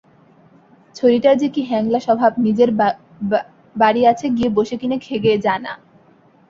ছড়িটার যে কী হ্যাংলা স্বভাব-নিজের বাড়ি আছে, গিয়ে বসে কিনে খেগে যা না?